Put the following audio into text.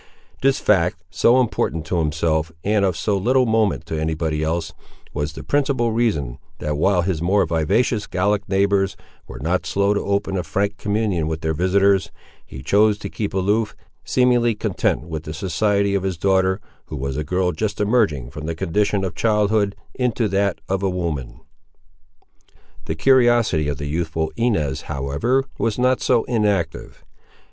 This fact, so important to himself and of so little moment to any body else, was the principal reason, that while his more vivacious Gallic neighbours were not slow to open a frank communion with their visiters, he chose to keep aloof, seemingly content with the society of his daughter, who was a girl just emerging from the condition of childhood into that of a woman. The curiosity of the youthful Inez, however, was not so inactive.